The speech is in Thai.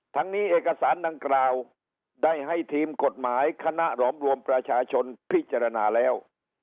ทั้งนี้เอกสารดังกล่าวได้ให้ทีมกฎหมายคณะหลอมรวมประชาชนพิจารณาแล้ว